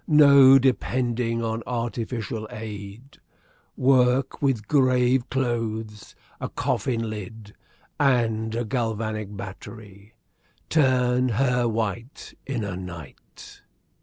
No depending on artificial aid. Work with grave clothes, a coffin lid, and a galvanic battery. Turn hair white in a night."